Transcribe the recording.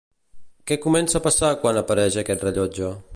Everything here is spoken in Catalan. Què comença a passar quan apareix aquest rellotge?